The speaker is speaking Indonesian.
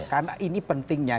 karena ini pentingnya